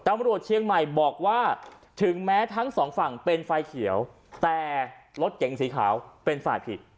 ตำรวจเชียงใหม่บอกว่าถึงแม้ทั้งสองฝั่งเป็นไฟเขียวแต่รถเก๋งสีขาวเป็นฝ่ายผิด